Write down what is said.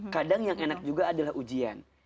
kadang yang enak juga adalah ujian